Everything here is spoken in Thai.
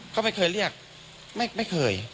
ก็ไม่เคยเรียกไม่เคย